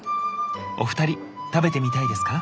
お二人食べてみたいですか？